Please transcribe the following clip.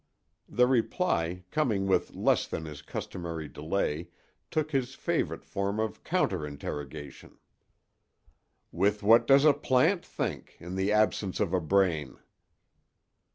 The reply, coming with less than his customary delay, took his favorite form of counter interrogation: "With what does a plant think—in the absence of a brain?"